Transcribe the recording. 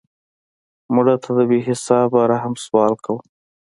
مړه ته د بې حسابه رحم سوال کوو